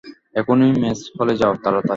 এখুনি মেস হলে যাও, তাড়াতাড়ি!